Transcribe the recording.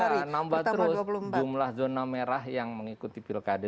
jadi iya nambah terus jumlah zona merah yang mengikuti pilkada